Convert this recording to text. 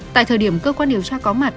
tại thời điểm cơ quan điều tra có mặt